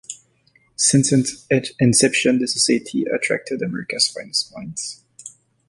Since its inception, the society attracted America's finest minds.